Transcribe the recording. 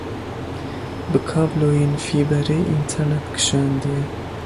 Bi kabloyên fîberê înternet kişandiye.